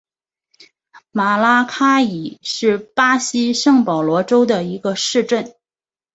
马拉卡伊是巴西圣保罗州的一个市镇。